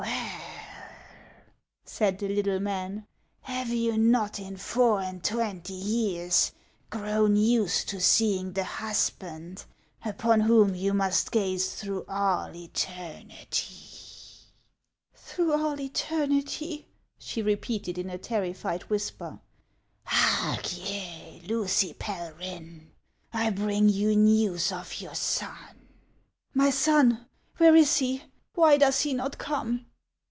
" Well," said the little man, " have you not in four and twenty years grown used to seeing the husband upon whom you must gaze through all eternity ?"" Through all eternity !" she repeated in a terrified whisper. " Hark ye, Lucy Pelryhn, I bring you news of your son." " My son ! Where is he ? Why does he not come